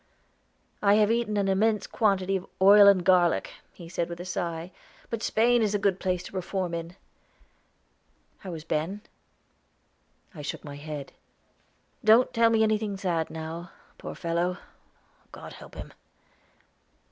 "I have eaten an immense quantity of oil and garlic," he said with a sigh. "But Spain is a good place to reform in. How is Ben?" I shook my head. "Don't tell me anything sad now. Poor fellow! God help him."